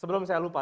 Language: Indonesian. sebelum saya lupa